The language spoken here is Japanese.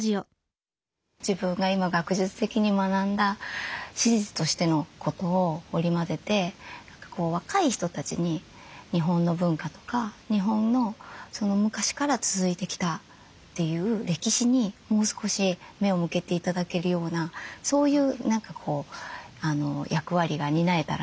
自分が今学術的に学んだ史実としてのことを織り交ぜて若い人たちに日本の文化とか日本の昔から続いてきたという歴史にもう少し目を向けて頂けるようなそういう役割が担えたらなというふうに。